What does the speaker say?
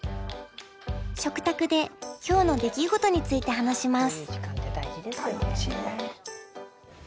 食卓で今日の出来事について話します。